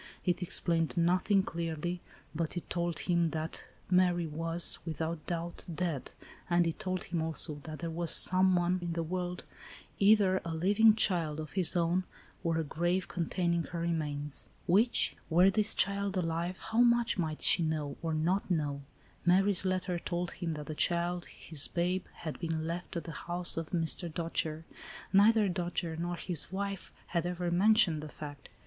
It explained nothing clearly, but it tbld him that Mary was, without doubt, dead, and it told him also that there was, somewhere in the world, either a living child of his own, or a grave containing her remains. Which ?— Were this child alive, how ALICE; OR, THE WAGES OF SIN. 103 much might she know or not know? Mary's letter told him that the child, his babe, had been left at the house of Mr. Dojere. Neither Dojere nor his wife had ever mentioned the fact.